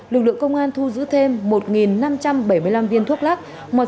lực lượng công an thu giữ thêm một năm trăm bảy mươi năm viên thuốc lắc